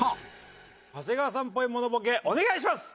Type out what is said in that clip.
長谷川さんっぽいモノボケお願いします。